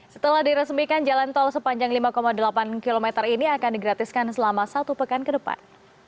setelah diresmikan jalan tol sepanjang lima delapan km ini akan digratiskan selama satu pekan ke depan